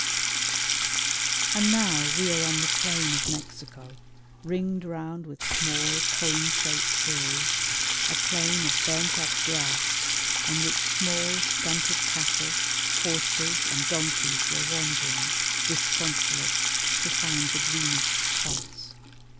] And now we are on the plain of Mexico, ringed round with small cone shaped hills, a plain of burnt up grass on which small stunted cattle, horses and donkeys were wandering, disconsolate, to find the greenest spots.